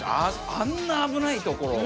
あんな危ないところを。